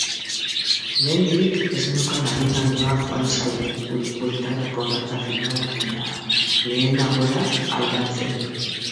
Lehendik ez neukan aginaldoa joan zait bueltarako data finala baino lehenagora aldatzen.